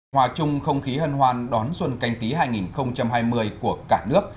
hòa chung không khí hân hoan đón xuân canh tí hai nghìn hai mươi của cả nước